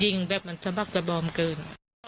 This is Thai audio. ยิงแบบมันสำหรับสบอมเกิน